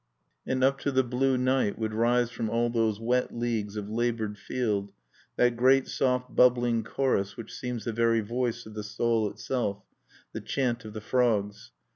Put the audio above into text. (3)" And up to the blue night would rise from all those wet leagues of labored field that great soft bubbling chorus which seems the very voice of the soil itself, the chant of the frogs.